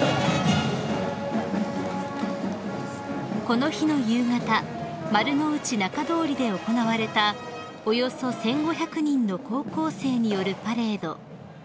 ［この日の夕方丸の内仲通りで行われたおよそ１，５００人の高校生によるパレード］